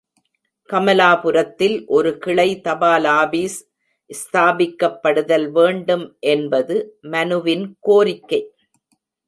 கமலாபுரத்தில் ஒரு கிளை தபாலாபீஸ் ஸ்தாபிக்கப்படுதல் வேண்டும் என்பது மனுவின் கோரிக்கை.